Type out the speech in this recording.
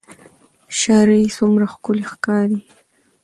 شرۍ څومره ښکلې ښکاري